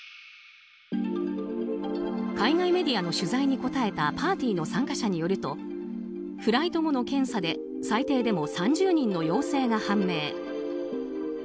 海外メディアの取材に答えたパーティーの参加者によるとフライト後の検査で最低でも３０人の陽性が判明。